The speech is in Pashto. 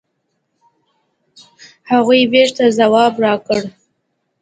هغوی بېرته ځواب راکړ.